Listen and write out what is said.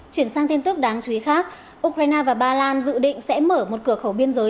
chuyển sang tin tức đáng chú ý khác ukraine và ba lan dự định sẽ mở một cửa khẩu biên giới